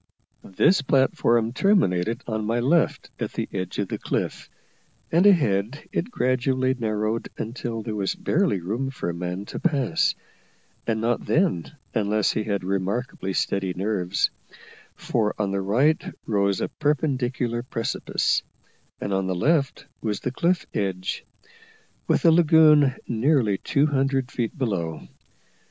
This platform terminated on my left at the edge of the cliff, and ahead it gradually narrowed until there was barely room for a man to pass, and not then unless he had remarkably steady nerves: for on the right rose a perpendicular precipice, and on the left was the cliff edge, with the lagoon nearly two hundred feet below.